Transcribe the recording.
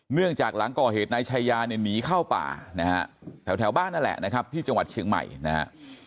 เนื่องจากหลังก่อเหตุนายชายาเนี่ยหนีเข้าป่านะฮะแถวบ้านนั่นแหละนะครับที่จังหวัดเชียงใหม่นะฮะ